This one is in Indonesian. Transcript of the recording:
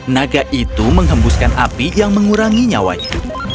naga itu menghembuskan api yang mengurangi nyawanya